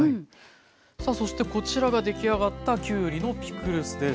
さあそしてこちらが出来上がったきゅうりのピクルスです。